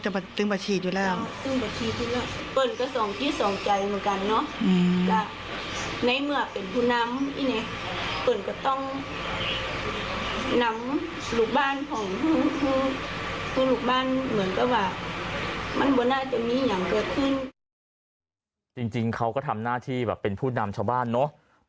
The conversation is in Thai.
จริงเขาก็ทำหน้าที่แบบเป็นผู้นำชาวบ้านเนอะ